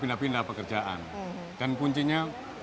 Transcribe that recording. pindah pindah pekerjaan dan kuncinya